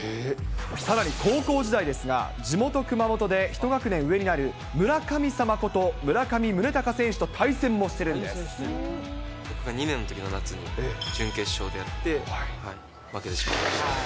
さらに高校時代ですが、地元熊本で一学年上になる、村神様こと、村上宗隆選手と対戦２年のときの夏に準決勝でやって、負けてしまいました。